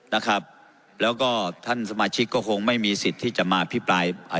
นะครับแล้วก็ท่านสมาชิกก็คงไม่มีสิทธิ์ที่จะมาพิปรายอ่า